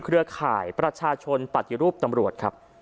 เครือข่ายประชาชนปฏิรูปตำรวจครับ